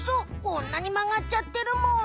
こんなにまがっちゃってるもん。